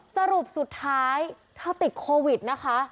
สรุปสุดท้ายเธอติดโควิดนะคะ